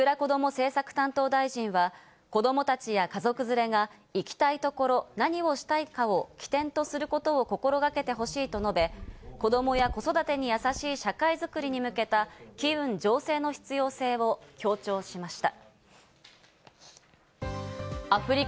政策担当大臣は子供たちや家族連れが行きたいところ、何をしたいかを起点とすることを心がけてほしいと述べ、こどもや子育てにやさしい社会づくりに向けた機運醸成の必要性を強調しました。